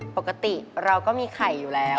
ปกติเราก็มีไข่อยู่แล้ว